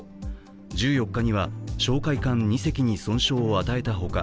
１４日には哨戒艦２隻に損傷を与えたほか